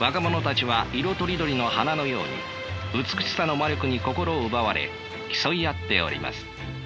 若者たちは色とりどりの花のように美しさの魔力に心奪われ競い合っております。